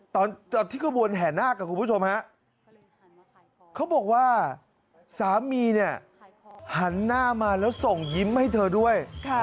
ตอนที่ขบวนแห่นาคคุณผู้ชมฮะเขาบอกว่าสามีเนี่ยหันหน้ามาแล้วส่งยิ้มให้เธอด้วย